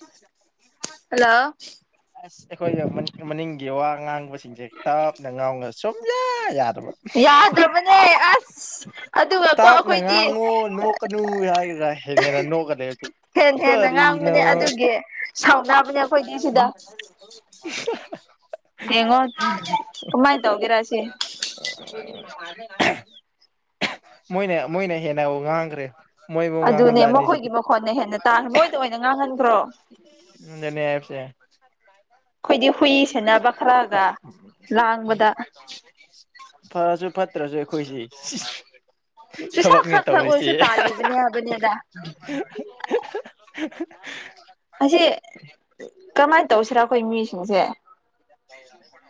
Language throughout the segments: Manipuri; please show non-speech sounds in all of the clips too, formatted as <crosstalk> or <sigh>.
<unintelligible> ꯍꯜꯂꯣ ꯑꯁ ꯑꯩꯈꯣꯏꯒ ꯃꯅꯤꯡꯒꯤ ꯋꯥ ꯑꯉꯥꯡꯕꯁꯤꯡꯁꯦ ꯇꯞꯅ ꯉꯥꯎꯅ ꯁꯨꯝꯂꯦ ꯌꯥ ꯌꯥꯗ꯭ꯔꯕꯅꯦ ꯑꯁ ꯑꯗꯨꯅꯀꯣ ꯇꯞꯅ ꯑꯩꯈꯣꯏꯗꯤ ꯉꯥꯡꯉꯨ ꯅꯣꯛꯀꯅꯨ ꯍꯦꯟꯅ <unintelligible> ꯍꯦꯟꯅ ꯉꯥꯡꯕꯅꯦ ꯀꯔꯤꯅꯣ ꯑꯗꯨꯒꯤ ꯁꯥꯎꯅꯕꯅꯦ ꯑꯩꯈꯣꯏꯗꯤ ꯁꯤꯗ <unintelligible> ꯌꯦꯡꯉꯣ ꯀꯃꯥꯏ ꯇꯧꯒꯦꯔꯥ ꯁꯤ <unintelligible> ꯃꯣꯏꯅ ꯃꯣꯏꯅ ꯍꯦꯟꯅꯕꯨ ꯉꯥꯡꯈ꯭ꯔꯦ ꯃꯣꯏꯕꯨ ꯑꯗꯨꯅꯦ ꯉꯥꯡꯍꯜꯂꯛꯑꯅꯤ ꯁꯤꯗꯤ ꯃꯈꯣꯏꯒꯤ ꯃꯈꯣꯟꯅ ꯍꯦꯟꯅ ꯇꯥꯈ꯭ꯔꯦ ꯃꯣꯏꯗ ꯑꯣꯏꯅ ꯉꯥꯡꯍꯟꯈ꯭ꯔꯣ <unintelligible> ꯑꯩꯈꯣꯏꯗꯤ ꯍꯨꯏ ꯁꯦꯟꯅꯕ ꯈꯔꯒ <unintelligible> ꯂꯥꯡꯕꯗ ꯐꯔꯁꯨ ꯐꯠꯇ꯭ꯔꯁꯨ ꯑꯈꯣꯏꯁꯤ ꯆꯨꯁꯥ ꯊꯕꯛꯅꯦ ꯈꯔ ꯈꯔ ꯇꯧꯔꯤꯁꯦ ꯑꯣꯏꯔꯁꯨ ꯇꯥꯜꯂꯤꯕꯅꯦ ꯍꯥꯏꯕꯅꯦꯗ <unintelligible> ꯑꯁꯤ ꯀꯔꯃꯥꯏꯅ ꯇꯧꯁꯤꯔꯥ ꯑꯩꯈꯣꯏ ꯃꯤꯁꯤꯡꯁꯦ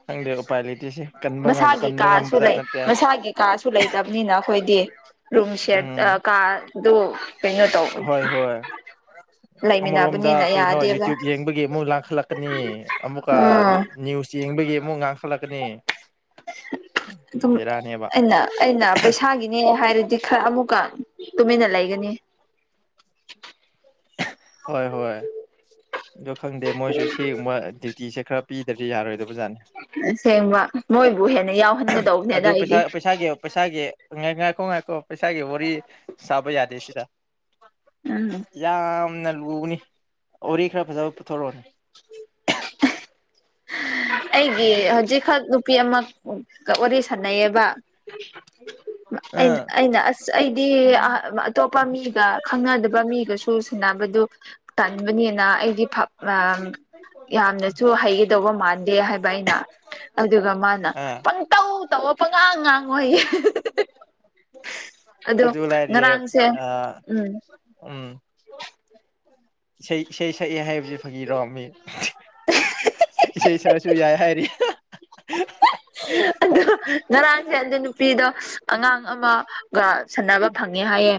ꯈꯪꯗꯦ ꯑꯄꯥꯏ ꯂꯩꯇꯦꯁꯦ ꯀꯟꯕ ꯃꯁꯥꯒꯤ ꯀꯟꯕ ꯀꯥꯁꯨ ꯉꯝꯕꯖꯥꯠ ꯂꯩ ꯅꯠꯇꯦ ꯃꯁꯥꯒꯤ ꯀꯥꯁꯨ ꯂꯩꯇꯕꯅꯤꯅ ꯑꯩꯈꯣꯏꯗꯤ ꯔꯨꯝ ꯎꯝ ꯁꯤꯌꯔ ꯀꯥꯗꯨ ꯀꯩꯅꯣ ꯇꯧꯕꯒꯤ ꯍꯣꯏ ꯍꯣꯏ ꯑꯃꯔꯣꯝꯗ ꯀꯩꯅꯣ ꯌꯨꯇ꯭ꯌꯨꯕ ꯌꯦꯡꯕꯒꯤ ꯑꯃꯨꯛ ꯂꯥꯡꯈꯠꯂꯛꯀꯅꯤ ꯑꯃꯨꯛꯀ ꯅꯌꯨꯁ ꯌꯦꯡ ꯕꯒꯤ ꯑꯃꯨꯛ ꯉꯥꯡꯈꯠꯂꯛꯀꯅꯤ ꯑꯗꯨꯝ ꯕꯦꯔꯥꯅꯦꯕ ꯑꯩꯅ ꯑꯩꯅ ꯄꯩꯁꯥꯒꯤꯅꯦ ꯍꯥꯏꯔ ꯗꯤ ꯈ꯭ꯔ ꯑꯃꯨꯛꯀ ꯇꯨꯃꯤꯟꯅ ꯂꯩꯒꯅꯤ ꯍꯣꯏ ꯍꯣꯏ ꯑꯗꯣ ꯈꯪꯗꯦ ꯃꯣꯏꯁꯨ ꯁꯤꯒꯨꯝꯕ ꯗ꯭ꯌꯨꯇꯤꯁꯦ ꯈ꯭ꯔ ꯄꯤꯗ꯭ꯔꯗꯤ ꯌꯥꯔꯣꯏꯗꯣ ꯑꯣꯖꯥꯅꯤ ꯑꯁꯦꯡꯕ ꯃꯣꯏꯕꯨ ꯍꯦꯟꯅ ꯌꯥꯎꯍꯟꯒꯗꯧꯕꯅꯦꯗ ꯑꯗꯨ ꯄꯩꯁꯥ ꯑꯩꯗꯤ ꯄꯩꯁꯥꯒꯤ ꯄꯩꯁꯥꯒꯤ ꯉꯥꯏ ꯉꯥꯏꯈꯣ ꯉꯥꯏꯈꯣ ꯄꯩꯁꯥꯒꯤ ꯋꯥꯔꯤ ꯁꯥꯕ ꯌꯥꯗꯦ ꯁꯤꯗ ꯎꯝ ꯌꯥꯝꯅ ꯂꯨꯕꯅꯤ ꯋꯥꯔꯤ ꯈꯔ ꯐꯖꯕ ꯄꯨꯊꯣꯔꯛꯑꯣꯅꯦ ꯑꯩꯒꯤ ꯍꯧꯖꯤꯛꯈꯛ ꯅꯨꯄꯤ ꯑꯃꯒ ꯋꯥꯔꯤ ꯁꯥꯟꯅꯩꯌꯦꯕ <unintelligible> ꯑꯩꯅ ꯑꯥ ꯑꯩꯅ ꯑꯁ ꯑꯩꯗꯤ ꯑꯇꯣꯞꯄ ꯃꯤꯒ ꯈꯪꯅꯗꯕ ꯃꯤꯒꯁꯨ ꯁꯥꯟꯅꯕꯗꯨ ꯇꯟꯕꯅꯤꯅ ꯑꯩꯗꯤ ꯑꯝ ꯌꯥꯝꯅꯁꯨ ꯍꯩꯒꯗꯧꯕ ꯃꯥꯥꯟ ꯗꯦ ꯍꯥꯏꯕ ꯑꯩꯅ ꯑꯗꯨꯒ ꯃꯥꯅ ꯑꯥ ꯄꯪꯇꯧ ꯇꯧꯋꯣ ꯄꯉꯥꯡ ꯉꯥꯡꯉꯣ ꯍꯥꯏꯌꯦ ꯑꯗꯣ ꯑꯗꯨ ꯂꯥꯏꯔꯤꯌꯦ ꯉꯔꯥꯡꯁꯦ ꯑ ꯎꯝ ꯎꯝ ꯏꯁꯩ ꯏꯁꯩ ꯁꯛꯑꯦ ꯍꯥꯏꯕꯕꯁꯤ ꯐꯥꯒꯤꯔꯣ ꯃꯤ ꯏꯁꯩ ꯁꯛꯑꯁꯨ ꯌꯥꯏ ꯍꯥꯏꯔꯤ ꯑꯗꯣ ꯉꯔꯥꯡꯁꯦ ꯑꯗꯨ ꯅꯨꯄꯤꯗꯣ ꯑꯉꯥꯡ ꯑꯃꯒ ꯁꯥꯟꯅꯕ ꯐꯪꯉꯦ ꯍꯥꯏꯌꯦ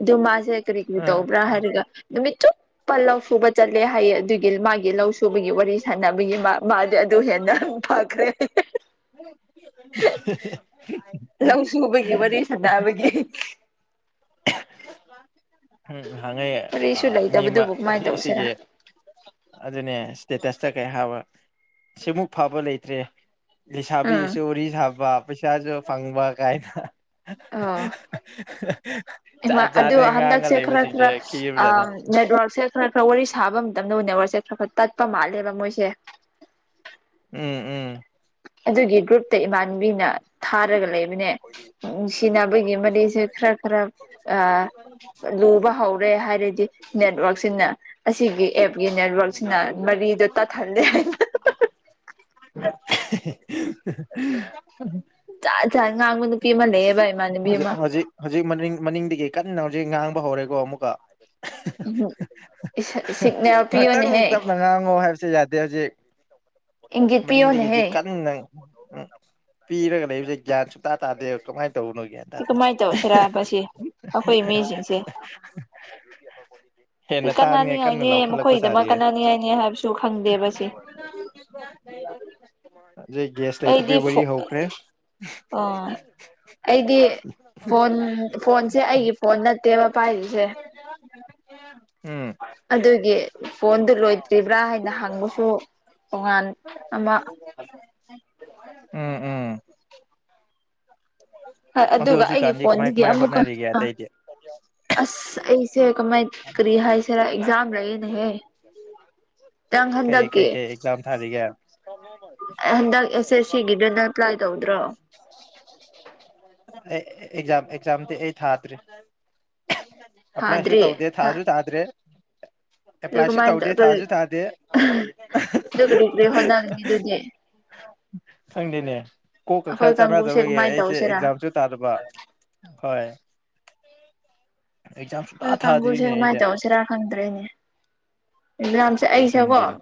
ꯑꯗꯨ ꯃꯥꯁꯦ ꯀꯔꯤ ꯀꯔꯤ ꯑ ꯇꯧꯕ꯭ꯔꯥ ꯍꯥꯏꯔꯒ ꯅꯨꯃꯤꯠ ꯆꯨꯞ ꯄ ꯂꯧ ꯁꯨꯕ ꯆꯠꯂꯦ ꯍꯥꯏꯌꯦ ꯑꯗꯨ ꯃꯥꯒꯤ ꯂꯧ ꯁꯨꯕꯒꯤ ꯋꯥꯔꯤ ꯁꯥꯟꯅꯕꯒꯤ ꯃꯥ ꯃꯥꯗꯤ ꯑꯗꯨ ꯍꯦꯟꯅ ꯐꯈ꯭ꯔꯦ <unintelligible> ꯂꯧ ꯁꯨꯕꯒꯤ ꯋꯥꯔꯤ ꯁꯥꯟꯅꯕꯒꯤ ꯋꯥꯔꯤꯁꯨ ꯂꯩꯇꯕꯗꯨꯕꯨ ꯀꯃꯥꯏꯅ ꯇꯧꯁꯤꯔꯥ <unintelligible> ꯁꯇꯦꯇꯁꯇ ꯀꯩ ꯍꯥꯏꯕ ꯁꯤꯃꯨꯛ ꯐꯕ ꯂꯩꯇ꯭ꯔꯦ ꯎꯝ ꯂꯩꯁꯥꯕꯤꯁꯨ ꯋꯥꯔꯤ ꯁꯥꯕ ꯄꯩꯁꯥꯁꯨ ꯐꯪꯕ ꯀꯥꯏꯅ ꯑꯩꯃꯥ ꯖꯥꯠ ꯑꯗꯨ ꯖꯥꯠꯅꯦ ꯉꯥꯡꯉ ꯍꯟꯗꯛꯁꯦ ꯈ꯭ꯔ ꯂꯩꯕꯁꯤꯡꯁꯦ ꯈ꯭ꯔ ꯈꯤꯕꯖꯥꯠꯅꯦ ꯑꯝ ꯅꯦꯠꯋꯥꯔꯛ ꯁꯦ ꯈꯔ ꯈꯔ ꯋꯥꯔꯤ ꯁꯥꯕ ꯃꯇꯝꯗ ꯅꯦꯠꯋꯥꯛ ꯈꯔ ꯈꯔ ꯇꯠꯄ ꯃꯥꯜꯂꯦꯕ ꯃꯣꯏꯁꯦ ꯎꯝ ꯎꯝ ꯑꯗꯨꯒꯤ ꯒ꯭ꯔꯨꯞꯇ ꯏꯃꯥꯟꯕꯤꯅ ꯊꯥꯔꯒ ꯂꯩ ꯕꯅꯦ ꯅꯨꯡꯁꯤꯅꯕꯒꯤ ꯃꯥꯔꯤꯁꯦ ꯈ꯭ꯔ ꯈ꯭ꯔ ꯑ ꯂꯨꯕ ꯍꯧꯔꯦ ꯍꯥꯏꯔꯗꯤ ꯅꯦꯠꯋꯔꯛꯁꯤꯅ ꯑꯁꯤꯒꯤ ꯑꯦꯞꯀꯤ ꯅꯦꯠꯋꯔꯛꯁꯤꯅ ꯃꯔꯤꯗꯣ ꯇꯥꯍꯜꯂꯦ ꯍꯥꯏ <unintelligible> ꯖꯥꯅꯤ ꯍꯧꯖꯤ ꯍꯧꯖꯤꯛ ꯍꯧꯖꯤꯛ ꯃꯅꯤꯡ ꯃꯅꯤꯡꯗꯒꯤ ꯀꯟꯅ ꯍꯧꯖꯤꯛ ꯉꯥꯡ ꯍꯧꯔꯦꯀꯣ ꯑꯃꯨꯛꯀ ꯁꯤꯒꯅꯦꯜ ꯉꯥꯛꯇꯪ ꯄꯤꯌꯣꯅꯦꯍꯦ ꯇꯞꯅ ꯉꯥꯡꯉꯣ ꯍꯥꯏꯕꯁꯦ ꯌꯥꯗꯦ ꯍꯧꯖꯤꯛ ꯏꯪꯒꯤꯠ ꯃꯅꯤꯡꯗꯒꯤ ꯄꯤꯌꯣꯅꯦꯍꯦ ꯀꯟꯅ ꯄꯤꯔꯒ ꯭ꯒꯌꯥ꯭ꯟ ꯁꯨꯛꯇꯥ ꯇꯥꯗꯦ ꯀꯃꯥꯏ ꯇꯧꯅꯣ ꯒꯌꯥ꯭ꯟ ꯁꯤ ꯇꯗꯦ ꯀꯃꯥꯏꯅ ꯇꯧꯁꯤꯔꯕ ꯁꯤ <inaudible> ꯀꯟꯅꯅꯤꯑꯣꯏꯅꯤ ꯂꯥꯎꯈꯠꯂꯛꯄ ꯃꯈꯣꯏꯒꯤꯗꯃꯛ ꯁꯥꯔꯤꯌꯦ ꯀꯥꯅꯅꯤꯉꯥꯏꯅꯦ ꯍꯥꯏꯕꯁꯨ ꯈꯪꯗꯦꯕ ꯁꯤ <inaudible> ꯖꯩ ꯒ꯭ꯌꯥꯁ ꯂꯩꯇꯕꯩ ꯋꯥꯔꯤ ꯍꯧꯈ꯭ꯔꯦ ꯑꯣ ꯑꯩꯗꯤ ꯐꯣꯟ ꯐꯣꯟꯁꯦ ꯑꯩꯒꯤ ꯐꯣꯟ ꯅꯠꯇꯦꯕ ꯄꯥꯏꯔꯤꯁꯦ ꯎꯝ <unintelligible> ꯑꯗꯨꯒꯤ ꯐꯣꯟꯗꯨ ꯂꯣꯏꯗ꯭ꯔꯤꯕ꯭ꯔꯥ ꯍꯥꯏꯅ ꯍꯪꯕꯁꯨ ꯇꯣꯉꯥꯟ ꯑꯃ <unintelligible> ꯎꯝ ꯎꯝ ꯍ ꯑꯗꯨ ꯑꯗꯨꯒ ꯑꯩꯒꯤ ꯍꯧꯖꯤꯛꯀꯥꯟꯗꯤ ꯀꯃꯥꯏ ꯐꯣꯟꯗꯒꯤ ꯀꯃꯥꯏ ꯑꯃꯨꯛꯀ ꯍꯣꯠꯅꯔꯤꯒꯦ ꯑ ꯑꯇꯩꯗꯤ ꯑꯁ ꯑꯩꯁꯦ ꯀꯃꯥꯏꯅ ꯀꯔꯤ ꯍꯥꯏꯁꯤꯔꯥ ꯑꯦꯛꯖꯥꯝ ꯂꯩꯌꯦꯅꯦꯍꯦ ꯀ꯭ꯌꯥꯝ ꯀꯩ ꯍꯟꯗꯒꯦ ꯀꯩ ꯀꯩ <unintelligible> ꯑꯩ ꯍꯟꯗꯛ ꯑꯦꯁ ꯑꯦꯁ ꯁꯤꯒꯤꯗꯨꯅ ꯇ꯭ꯔꯥꯏ ꯇꯧꯗ꯭ꯔꯣ ꯑꯦ ꯑꯦꯛꯖꯝ ꯑꯦꯛꯖꯝꯗꯤ ꯑꯩ ꯊꯥꯗ꯭ꯔꯤ ꯑꯄ꯭ꯂꯥꯏꯁꯨ ꯊꯥꯗ꯭ꯔꯤ ꯇꯧꯗꯦ ꯊꯥꯖꯨ ꯊꯥꯗ꯭ꯔꯦ ꯑꯗꯨ ꯑꯦꯄ꯭ꯂꯥꯏꯁꯨ ꯀꯃꯥꯏꯅ ꯇꯧꯗꯦ ꯇꯧꯗꯧꯔꯤ ꯊꯥꯁꯨ ꯊꯥꯗꯦ ꯗꯨ ꯀꯔꯤ ꯀꯔꯤ ꯍꯣꯠꯅꯅꯤꯡꯉꯤ ꯑꯗꯨꯗꯤ <inaudible> ꯈꯪꯗꯦꯅꯦ ꯀꯣꯛꯀ ꯑꯩꯈꯣꯏ ꯈꯔ ꯀꯥꯡꯕꯨꯁꯦ ꯆꯥꯟꯅꯗꯕ ꯌꯥꯏ ꯀꯃꯥꯏꯅ ꯑꯩꯁꯦ ꯇꯧꯁꯤꯔꯥ ꯑꯦꯛꯖꯥꯝꯁꯨ ꯊꯗꯕ ꯍꯣꯏ ꯑꯦꯛꯖꯥꯝ ꯅꯣꯏ ꯁꯨꯡꯊꯥ ꯀꯥꯡꯕꯨꯁꯦ ꯊꯥꯗ꯭ꯔꯤꯅꯦ ꯀꯃꯥꯏ ꯑꯩꯁꯦ ꯇꯧꯁꯤꯔꯥ ꯈꯪꯗ꯭ꯔꯦꯅꯦ ꯑꯦꯛꯖꯥꯝꯁꯦ ꯑꯩꯁꯦ ꯀꯣ ꯈꯪꯗꯦꯅꯦ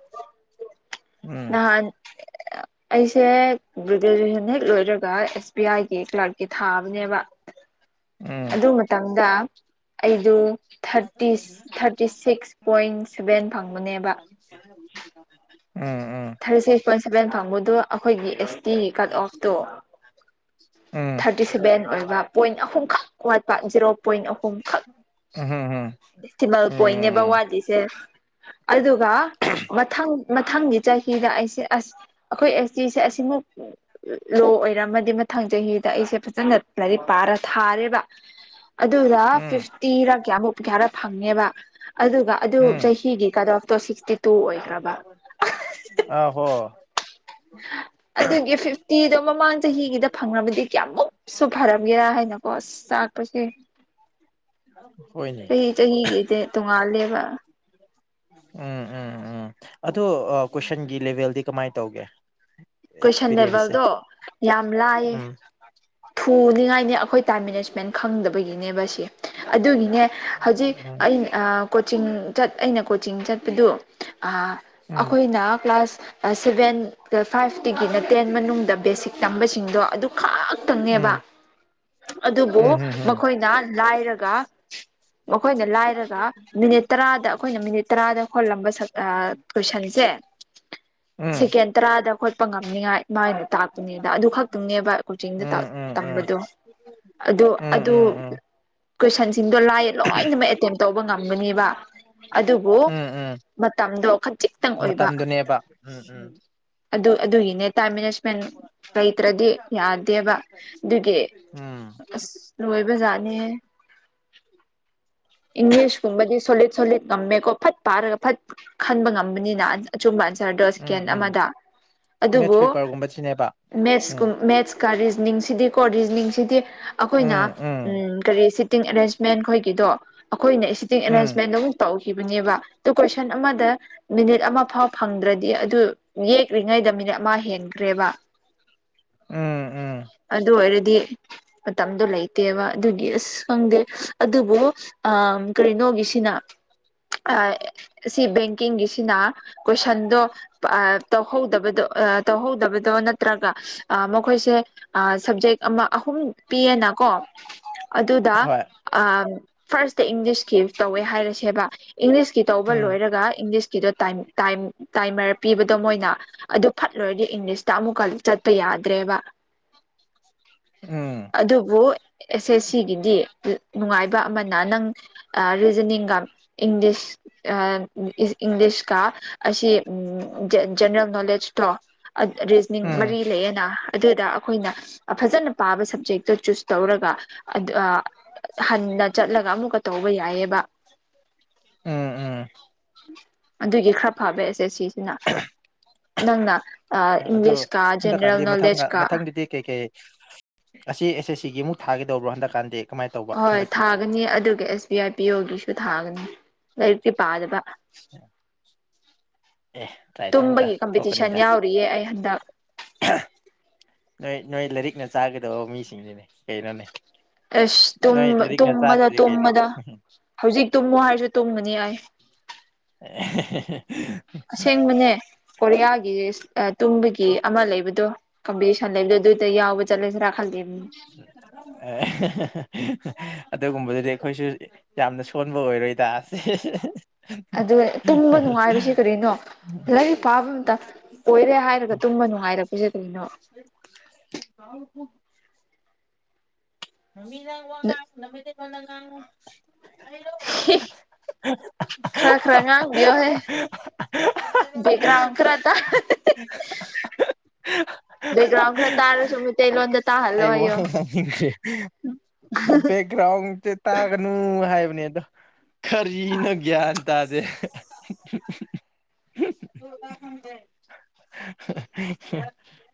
ꯎꯝ ꯅꯍꯥꯟ ꯑꯩꯁꯦ ꯒ꯭ꯔꯦꯖꯨꯑꯦꯁꯟ ꯍꯦꯛ ꯂꯣꯏꯔꯒ ꯑꯦꯁ ꯕꯤ ꯑꯥꯏꯒꯤ ꯀ꯭ꯂꯥꯔꯛꯀꯤ ꯊꯥꯕꯅꯦꯕ ꯎꯝ ꯑꯗꯨ ꯃꯇꯝꯗ ꯑꯩꯗꯨ ꯊꯔꯇꯤꯁ ꯊꯔꯇꯤ ꯁꯤꯛꯁ ꯄꯣꯏꯟ ꯁꯦꯕꯦ <unintelligible> ꯎꯝ ꯊꯥꯔꯇꯤ ꯁꯤꯛꯁ ꯄꯣꯏꯟ ꯁꯚꯦꯟ ꯐꯪꯕꯗꯣ ꯑꯩꯈꯣꯏꯒꯤ S T cut off to um thirty seven ꯑꯣꯏ ꯄꯣꯏꯟ ꯑꯍꯨꯝ ꯈꯛ ꯋꯥꯠꯄ ꯖꯤꯔꯣ ꯄꯣꯏꯟ ꯑ ꯍꯨꯝ ꯎꯝ ꯗꯦꯁꯤꯃꯦꯜ ꯄꯣꯏꯟꯅꯦꯕ ꯎꯝ ꯋꯥꯠꯂꯤꯁꯦ ꯑꯗꯨꯒ ꯃꯊꯪ ꯃꯊꯪꯒꯤ ꯆꯍꯤꯗ ꯑꯩꯁꯦ ꯑꯁ ꯑꯩꯈꯣꯏ ꯑꯦꯁ ꯇꯤ ꯁꯦ ꯑꯁꯤꯃꯨꯛ ꯂꯣ ꯑꯣꯏꯔꯝꯃꯗꯤ ꯃꯊꯪ ꯆꯍꯤ ꯑꯩꯁꯦ ꯐꯖꯟꯅ ꯂꯥꯏꯔꯤꯛ ꯄꯔꯥ ꯊꯥꯔꯦꯕ ꯑꯗꯨꯔ ꯎꯝ ꯐꯤꯐꯇꯤꯔ ꯀ꯭ꯌꯥꯃꯨꯛ ꯀ꯭ꯌꯥꯔꯛ ꯐꯪꯉꯦꯕ ꯑꯗꯨꯒ ꯑꯗꯨ ꯎꯝ ꯆꯍꯤꯒꯤ ꯀꯠ ꯑꯣꯞꯇꯣ ꯁꯤꯛꯁꯇꯤ ꯇꯨ ꯑꯣꯏꯈ꯭ꯔꯕ ꯑ ꯍꯣ ꯑꯗꯨꯒꯤ ꯐꯤꯐꯇꯤꯗꯣ ꯃꯃꯥꯡ ꯆꯍꯤꯒꯤꯗ ꯐꯪꯔꯝꯃꯗꯤ ꯀꯌꯥꯃꯨꯛꯁꯨ ꯐꯔꯝꯒꯦꯔꯥ ꯍꯥꯏꯅꯀꯣ ꯑꯁ ꯆꯥ ꯂꯥꯛꯄꯁꯦ ꯍꯣꯏꯅꯦ ꯆꯍꯤ ꯆꯍꯤꯒꯤꯗꯤ ꯇꯣꯡꯉꯥꯜꯂꯦꯕ ꯎꯝ ꯎꯝ ꯎꯝ ꯑꯗꯣ ꯀꯣꯏꯁꯟꯒꯤ ꯂꯦꯕꯦꯜꯗꯤ ꯀꯃꯥꯏ ꯇꯧꯒꯦ ꯀꯣꯏꯁꯟ ꯑꯦꯛꯁꯄꯤꯔꯤꯌꯦꯟꯁꯁꯦ ꯂꯦꯕꯜꯗꯣ ꯌꯥꯝ ꯂꯥꯏꯌꯦ ꯎꯝ ꯊꯨꯅꯤ ꯉꯥꯏꯅꯦ ꯑꯈꯣꯏ ꯇꯥꯏꯝ ꯃꯦꯅꯦꯖꯃꯦꯟ ꯈꯪꯗꯕꯒꯤꯅꯦꯕ ꯁꯤ ꯑꯗꯨꯒꯤ ꯍꯧꯖꯤꯛ ꯎꯝ ꯑꯩ ꯑ ꯀꯣꯆꯤꯡ ꯆꯠ ꯑꯩꯅ ꯀꯣꯆꯤꯡ ꯆꯠꯄꯗꯨ ꯑꯥ ꯎꯝ ꯑꯈꯣꯏꯅ ꯀ꯭ꯂꯥꯁ ꯁꯕꯦꯟ ꯐꯥꯏꯕꯇꯒꯤꯅ ꯇꯦꯟ ꯃꯅꯨꯡꯗ ꯕꯦꯁꯤꯛ ꯇꯝꯕꯁꯤꯡꯗꯣ ꯑꯗꯨ ꯈꯛꯇꯪ ꯅꯦꯕ ꯎꯝ ꯑꯗꯨꯕꯨ ꯎꯝ ꯃꯈꯣꯏꯅ ꯂꯥꯏꯔꯒ ꯃꯈꯣꯏꯅ ꯂꯥꯏꯔꯒ ꯃꯤꯅꯤꯠ ꯇꯔꯥꯗ ꯑꯈꯣꯏꯅ ꯃꯤꯅꯤꯠ ꯇꯔꯥꯗ ꯍꯣꯜꯂꯝꯕ ꯁꯛꯇ ꯀꯣꯏꯁꯟꯁꯦ ꯎꯝ ꯁꯦꯀꯦꯟ ꯇꯔꯥꯗ ꯈꯣꯠꯄ ꯉꯝꯅꯤꯉꯥꯏ ꯃꯥꯏ ꯇꯥꯛꯄꯅꯦꯗ ꯑꯗꯨ ꯈꯛꯇꯪꯅꯦꯕ ꯎꯝ ꯀꯣꯠꯆꯤꯡꯗ ꯎꯝ ꯎꯝ ꯎꯝ ꯇꯝꯕꯗꯨ ꯑꯗꯣ ꯎꯝ ꯎꯝ ꯎꯝ ꯑꯗꯨ ꯎꯝ ꯀꯣꯏꯁꯟꯁꯤꯡꯗꯣ ꯂꯥꯏꯌꯦ ꯂꯣꯏꯅꯃꯛ ꯑꯦꯇꯦꯝ ꯇꯧꯕ ꯉꯝꯒꯅꯦꯕ ꯑꯗꯨꯕꯨ ꯎꯝ ꯎꯝ ꯃꯇꯝ ꯃꯇꯝꯗꯨꯅꯦꯕ ꯎꯝ ꯎꯝ ꯑꯗꯨ ꯑꯗꯨꯒꯤꯅꯦ ꯇꯥꯏꯝ ꯃꯦꯅꯦꯖꯃꯦꯟ ꯂꯩꯇ꯭ꯔꯗꯤ ꯌꯥꯗꯦꯕ ꯑꯗꯨꯒꯤ ꯎꯝ ꯑꯁ ꯂꯣꯏꯕ ꯖꯥꯠꯅꯤꯍꯦ ꯏꯪꯂꯤꯁꯀꯨꯝꯕꯗꯤ ꯁꯣꯂꯤꯠ ꯁꯣꯂꯤꯠ ꯉꯝꯃꯦꯀꯣ ꯐꯠ ꯄꯥꯔꯒ ꯐꯠ ꯈꯟꯕ ꯉꯝꯕꯅꯤꯅ ꯑꯆꯨꯝꯕ ꯅꯇ꯭ꯔꯣ ꯎꯝ ꯁꯦꯀꯦꯟ ꯎꯝ ꯑꯃꯗ ꯃꯦꯠꯁ ꯑꯗꯨꯕꯨ ꯄꯦꯄꯔꯒꯨꯝꯕꯁꯤꯅꯦꯕ ꯃꯦꯠꯁ ꯎꯝ ꯀꯨꯝ ꯃꯦꯠꯁ ꯀꯥ ꯔꯤꯖꯅꯤꯡꯁꯤꯗꯤ ꯀꯣ ꯔꯤꯖꯅꯤꯡꯁꯤꯗꯤ ꯑꯈꯣꯏꯅ ꯎꯝ ꯀꯔꯤ ꯁꯤ ꯁꯤꯇꯤꯡ ꯑꯦꯔꯦꯟꯖꯃꯦꯟ ꯑꯈꯣꯏꯒꯤꯗꯣ ꯑꯈꯣꯏꯅ ꯁꯤꯇꯤꯡ ꯎꯝ ꯑꯦꯔꯦꯟꯖꯃꯦꯟꯗ ꯑꯃꯛ ꯇꯧ ꯏꯕꯅꯦꯕ ꯑꯗꯨ ꯀꯣꯏꯁꯟ ꯑꯃꯗ ꯃꯤꯅꯤꯠ ꯑꯃ ꯐꯥꯎ ꯐꯪꯗ꯭ꯔꯗꯤ ꯑꯗꯨ ꯌꯦꯛꯔꯤꯉꯩꯗ ꯃꯤ ꯃꯤꯅꯤꯠ ꯑꯃ ꯍꯦꯟꯈ꯭ꯔꯦꯕ ꯎꯝ ꯎꯝ ꯑꯗꯨ ꯑꯣꯏꯔꯗꯤ ꯃꯇꯝꯗꯣ ꯂꯩꯇꯦꯕ ꯑꯗꯨꯒꯤ ꯑꯁ ꯈꯪꯗꯦ ꯑꯗꯨꯕꯨ ꯑ ꯀꯔꯤꯅꯣꯒꯤꯁꯤꯅ ꯑꯥ ꯁꯤ ꯕꯦꯡꯀꯤꯡꯒꯤꯁꯤꯅ ꯀꯣꯏꯁꯟꯗꯣ ꯑ ꯇꯧꯍꯧꯗꯕꯗꯣ ꯑ ꯇꯧꯍꯧꯗꯕꯗꯣ ꯅꯠꯇ꯭ꯔꯒ ꯑ ꯃꯈꯣꯏꯁꯦ ꯑ ꯁꯕꯖꯦꯛ ꯑꯃ ꯑꯍꯨꯝ ꯄꯤꯌꯦꯅꯀꯣ ꯑꯗꯨꯗ ꯍꯣꯏ ꯑ ꯐꯥꯁꯇꯥ ꯏꯪꯂꯤꯁꯀꯤ ꯇꯧꯋꯦ ꯍꯥꯏꯔꯁꯦꯕ ꯏꯪꯂꯤꯁꯀꯤ ꯇꯧꯕ ꯎꯝ ꯂꯣꯏꯔꯒ ꯏꯪꯂꯤꯁ ꯀꯤꯗꯣ ꯇꯥꯏꯃ ꯇꯥꯏꯃ ꯇꯥꯢꯃꯔ ꯄꯤꯕꯗꯣ ꯃꯣꯏꯅ ꯑꯗꯨ ꯐꯠ ꯂꯣꯏꯔꯒ ꯏꯪꯂꯤꯁꯇ ꯑꯃꯨꯛꯀ ꯆꯠꯄ ꯌꯥ ꯗ꯭ꯔꯦꯕ ꯎꯝ ꯑꯗꯨꯕꯨ ꯑꯦꯁ ꯑꯦꯁ ꯁꯤꯒꯤꯗꯤ ꯅꯨꯡꯉꯥꯏꯕ ꯑꯃꯅ ꯅꯪ ꯔꯤꯖꯅꯤꯡꯒ ꯏꯪꯂꯤꯁ ꯑ ꯏꯁ ꯏꯪꯂꯤ ꯂꯤꯁꯀꯥ ꯑꯁꯤ ꯖ ꯖꯦꯟꯅꯔꯦꯜ ꯅꯣꯂꯦꯁ ꯇꯣ ꯑꯗ ꯔꯤꯖꯅꯤꯡ ꯎꯝ ꯃꯔꯤ ꯂꯩꯌꯦꯅ ꯑꯗꯨꯗ ꯑꯈꯣꯏꯅ ꯐꯖꯅ ꯄꯥꯕ ꯁꯕꯖꯦꯛ ꯇꯨ ꯆꯨꯁ ꯇꯧꯔꯒ ꯑꯗꯨ ꯍꯟꯅ ꯆꯠꯂꯒ ꯑꯃꯨꯛꯀ ꯇꯧꯕ ꯌꯥꯏꯑꯕ ꯎꯝ ꯎꯝ ꯑꯗꯨꯒꯤ ꯈꯔ ꯐꯕ ꯑꯦꯁ ꯑꯦꯁ ꯁꯤ ꯅꯪꯅ ꯑꯗꯨ ꯏꯪꯂꯤꯁ ꯀꯥ ꯖꯦꯅꯔꯦꯜ ꯅꯣꯂꯦꯖ ꯀꯥ ꯀꯩ ꯀꯩ ꯑꯁꯤ ꯑꯦꯁ ꯑꯦꯁ ꯁꯤꯒꯤ ꯑꯃꯨꯛ ꯊꯥꯒꯦꯇꯧꯕ꯭ꯔꯣ ꯍꯟꯗꯛꯀꯥꯟꯗꯤ ꯀꯃꯥꯏꯅ ꯇꯧꯕ ꯍꯣꯏ ꯍꯟꯗꯛꯇꯤ ꯊꯥꯒꯅꯤ ꯑꯗꯨꯒ ꯑꯦꯁ ꯕꯤ ꯑꯥꯏ ꯄꯤꯌꯣꯒꯤꯁꯨ ꯊꯥꯒꯅꯤ ꯂꯥꯏꯔꯤꯛꯇꯤ ꯄꯥꯗꯕ <inaudible> ꯑꯦ ꯇ꯭ꯔꯥꯏ ꯇꯧꯕꯗ ꯇꯨꯝꯕꯒꯤ ꯀꯝꯄꯤꯇꯤꯁꯟ ꯊꯣꯛꯀꯅꯤꯗ ꯌꯥꯎꯔꯤꯌꯦ ꯑꯩ ꯍꯟꯗꯛ <inaudible> ꯀꯔꯤ ꯅꯣꯏ ꯂꯥꯏꯔꯤꯛꯅ ꯆꯥꯒꯗꯧꯕ ꯃꯤꯁꯤꯡꯁꯤꯅꯦ ꯀꯩꯅꯣꯅꯦ ꯑꯁ ꯇꯨꯝ ꯅꯣꯏ ꯂꯥꯏꯔꯤꯛꯅ ꯇꯨꯝꯕꯗ ꯆꯥꯗ꯭ꯔꯗꯤ ꯀꯩꯅꯣ ꯇꯨꯝꯕꯗ ꯍꯧꯖꯤꯛ ꯇꯨꯝꯃꯣ ꯍꯥꯏꯔꯁꯨ ꯇꯨꯝꯕꯅꯤ ꯑꯩ ꯑꯍ ꯍ ꯍ ꯑꯁꯦꯡꯕꯅꯦ ꯀꯣꯔꯤꯌꯥꯒꯤ ꯇꯨꯝꯕꯒꯤ ꯑꯃ ꯂꯩꯕꯗꯣ ꯀꯝꯄꯤꯇꯤꯁꯟ ꯂꯩꯕꯗꯣ ꯑꯗꯨꯗ ꯌꯥꯎ ꯑꯦ ꯍ ꯍ ꯍ ꯑꯗꯨꯒꯨꯝꯕꯗꯨꯗꯤ ꯑꯩꯈꯣꯏꯁꯨ ꯌꯥꯝꯅ ꯁꯣꯟꯕ ꯑꯣꯏꯔꯣꯏ ꯗ ꯑꯗꯨ ꯇꯨꯝꯕ ꯅꯨꯡꯉꯥꯏꯕꯁꯤ ꯀꯔꯤꯅꯣ ꯂꯥꯏꯔꯤꯛ ꯄꯥꯕ ꯃꯇꯝ ꯑꯣꯏꯔꯦ ꯍꯥꯏꯔꯒ ꯇꯨꯝꯕ ꯅꯨꯉꯥꯏꯔꯛꯄꯁꯦ ꯀꯔꯤꯅꯣ <unintelligible> ꯅꯨꯃꯤꯗꯥꯡ ꯋꯥꯉꯥꯡ <unintelligible> ꯍꯜꯂꯣ <unintelligible> ꯈꯔ ꯈꯔ ꯉꯥꯡꯕꯤꯌꯣꯍꯦ ꯕꯦꯛꯒ꯭ꯔꯥꯟ ꯈꯔ ꯇꯥ ꯕꯦꯛꯒ꯭ꯔꯥꯎ ꯈꯔ ꯇꯥꯔꯁꯨ ꯃꯩꯇꯩ ꯂꯣꯟꯗ ꯑꯩ ꯋꯥ ꯉꯥꯡꯅꯤꯡꯗꯔꯦ ꯕꯦꯛꯒ꯭ꯔꯥꯎꯟꯁꯦ ꯇꯥꯒꯅꯨ ꯍꯥꯏꯕ ꯅꯦꯗꯣ ꯀꯔꯤꯅꯣ ꯒ꯭ꯌꯥꯟ ꯇꯥꯗꯦ <unintelligible>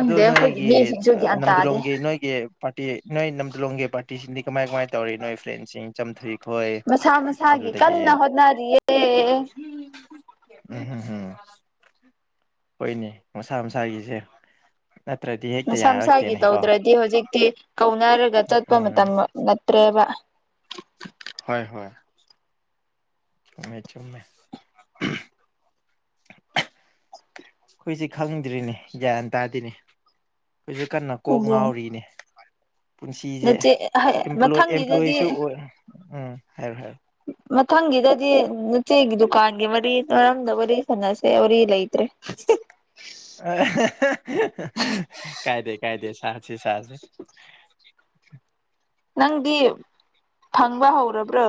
ꯑꯗꯨ ꯑꯩꯈꯣꯏꯒꯤ ꯅꯣꯏꯒꯤ ꯃꯤꯁꯤꯡꯁꯨ ꯒ꯭ꯌꯥꯟ ꯇꯥꯗꯦ ꯅꯝꯗꯤꯂꯣꯡꯒꯤ ꯅꯣꯏꯒꯤ ꯄꯥꯔꯇꯤ ꯅꯣꯏ ꯅꯝꯗꯂꯣꯡꯒꯤ ꯄꯥꯔꯇꯤꯁꯤꯡꯗꯤ ꯀꯃꯥꯏ ꯀꯃꯥꯏꯅ ꯇꯧꯔꯤ ꯅꯣꯏ ꯐ꯭ꯔꯦꯟꯁꯤꯡ ꯆꯝꯊꯨꯏ ꯍꯣꯏ ꯃꯁꯥ ꯃꯁꯥꯒꯤ ꯑꯗꯨꯗꯒꯤ ꯀꯟꯅ ꯍꯣꯠꯅꯔꯤꯌꯦ ꯎꯝꯝ ꯎꯝ ꯎꯝ ꯍꯣꯏꯅꯦ ꯃꯁꯥ ꯃꯁꯥꯒꯤꯁꯦ ꯅꯠꯇ꯭ꯔꯗꯤ ꯍꯦꯛꯇ ꯃꯁꯥ ꯃꯁꯥꯒꯤ ꯌꯥꯔꯛꯇꯦꯅꯦꯀꯣ ꯇꯧꯗ꯭ꯔꯗꯤ ꯍꯧꯖꯤꯛꯇꯤ ꯀꯧꯅꯔꯒ ꯆꯠꯄ ꯎꯝ ꯃꯇꯝ ꯅꯠꯇ꯭ꯔꯦꯕ ꯍꯣꯏ ꯍꯣꯏ ꯆꯨꯝꯃꯦ ꯆꯨꯝꯃꯦ ꯑꯩꯈꯣꯏꯁꯦ ꯈꯪꯗ꯭ꯔꯤꯅꯦ ꯒ꯭ꯌꯥꯟ ꯇꯥꯗꯦꯅꯦ ꯑꯩꯁꯨ ꯀꯟꯅ ꯀꯣꯛ ꯑꯗꯨꯅꯤ ꯉꯥꯎꯔꯤꯅꯦ ꯄꯨꯟꯁꯤꯁꯦ ꯅꯆꯦ ꯑꯦꯝꯄ꯭ꯂꯣꯏ ꯃꯊꯪꯒꯤꯗꯗꯤ ꯑꯦꯝꯄ꯭ꯂꯣꯏꯁꯨ ꯑꯣꯏ ꯎꯝ ꯍꯥꯏꯔꯣ ꯍꯥꯏꯔꯣ <inaudible> ꯃꯊꯪꯒꯤꯗꯗꯤ ꯅꯆꯦꯒꯤ ꯗꯨꯀꯥꯟꯒꯤ ꯃꯔꯤ ꯃꯔꯝꯗ ꯋꯥꯔꯤ ꯁꯥꯟꯅꯁꯦ ꯋꯥꯔꯤ ꯂꯩꯇ꯭ꯔꯦ ꯍꯝ ꯑ ꯍ ꯍ ꯀꯥꯏꯗꯦ ꯀꯥꯏꯗꯦ ꯁꯥꯁꯤ ꯁꯥꯁꯤ ꯅꯪꯗꯤ ꯐꯪꯕ ꯍꯧꯔꯕ꯭ꯔꯣ